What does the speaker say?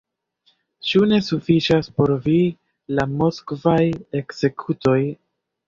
Ĉu ne sufiĉas por vi la moskvaj ekzekutoj?